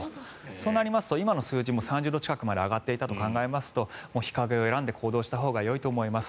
そうなりますと今の数字も３０度近くまで上がっていたと考えると日陰を選んで行動したほうがよいと思います。